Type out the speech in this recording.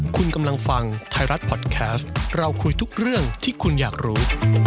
คุณกำลังฟังไทยรัฐพอดแคสต์เราคุยทุกเรื่องที่คุณอยากรู้